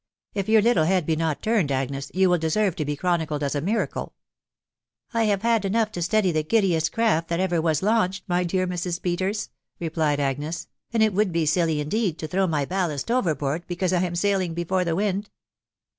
If your little head be not turned, Agnes, you will deserve to be chronicled as a miracle*" " I have had enough to steady the giddiest craft that ever was launched,, my dear Mrs. Peters/' replied Agnes ;" and it would be silly, indeed, to throw my ballast overboard, because I am sailing before the wind."